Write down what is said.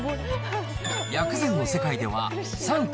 薬膳の世界では、酸、苦、